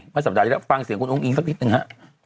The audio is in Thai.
สัปดาห์ที่แล้วฟังเสียงคุณอุ้งอิงสักนิดหนึ่งฮะ